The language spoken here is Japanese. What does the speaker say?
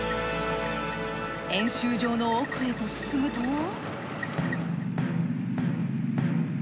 演習場の奥へと進むと。